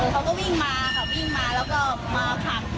เขาก็วิ่งมาค่ะวิ่งมาแล้วก็มาขับ